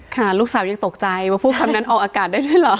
ค่ะลูกสาวยังตกใจว่าพูดคำนั้นออกอากาศได้ด้วยเหรอ